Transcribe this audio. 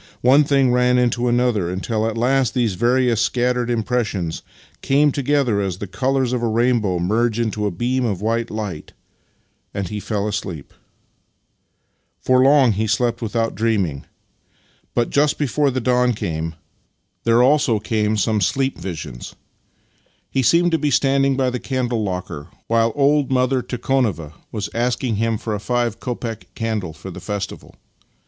One thing ran into another, until at last these various scattered impressions came to gether as the colours of a rainbow merge into a beam of white light, and he fell asleep. For long he slept without dreaming, but, just before the dawn came, 6o Master and Man there came also some sleep visions. He seemed to be standing by the candle locker, while old mother Tikhonova was asking him for a five copeck ^ candle for the festival.